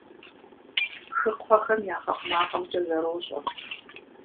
Хыкхъуэхэм ягъэӏу макъымкӏэ зэрощӏэ.